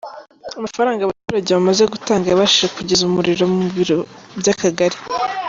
Amafaranga abaturage bamaze gutanga yabashije kugeza umuriro mu biro by’akagari.